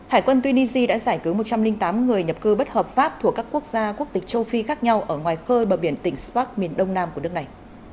hải quân tunisia đã giải cứu một trăm linh tám người nhập cư bất hợp pháp thuộc các quốc gia quốc tịch châu phi khác nhau ở ngoài khơi bờ biển tỉnh spac miền đông nam của nước này